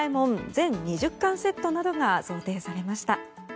全２０巻セットなどが贈呈されました。